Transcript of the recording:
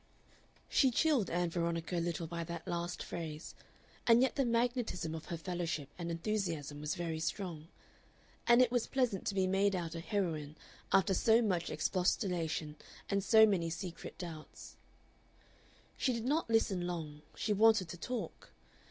She chilled Ann Veronica a little by that last phrase, and yet the magnetism of her fellowship and enthusiasm was very strong; and it was pleasant to be made out a heroine after so much expostulation and so many secret doubts. But she did not listen long; she wanted to talk.